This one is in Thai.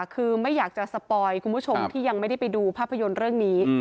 คือไม่อยากจะสปอยคุณผู้ชมที่ยังไม่ได้ไปดูภาพยนตร์เรื่องนี้